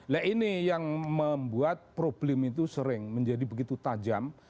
nah ini yang membuat problem itu sering menjadi begitu tajam